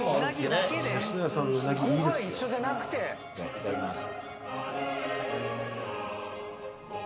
いただきます。